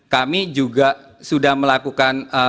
kami juga sudah melakukan